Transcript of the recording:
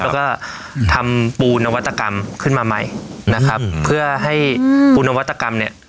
แล้วก็ทำปูนวัตกรรมขึ้นมาใหม่นะครับเพื่อให้ปูนวัตกรรมเนี่ย